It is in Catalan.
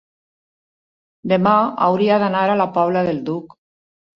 Demà hauria d'anar a la Pobla del Duc.